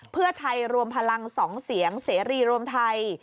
เพื่อไทยรวมพลัง๒เสียงเสรีรวมไทย